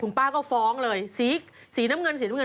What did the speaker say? ป้าก็ฟ้องเลยสีน้ำเงินสีน้ำเงิน